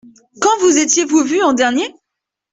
Quand vous étiez-vous vu en dernier ?